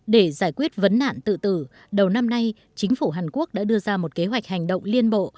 để giải quyết vấn nạn tự tử đầu năm nay chính phủ hàn quốc đã đưa ra một kế hoạch hành động liên bộ